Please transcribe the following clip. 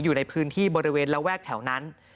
อยู่ในพื้นที่บริเวณระแวกแถวนั้น